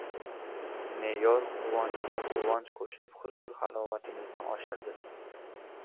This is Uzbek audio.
Me’yor quvonchga quvonch qo‘shib, huzur-halovatingizni oshiradi.